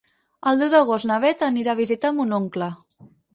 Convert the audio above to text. El deu d'agost na Beth anirà a visitar mon oncle.